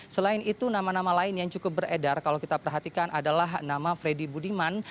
selain itu nama nama lain yang cukup beredar kalau kita perhatikan adalah nama freddy budiman